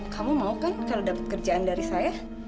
kamu mau kan kalau dapat kerjaan dari saya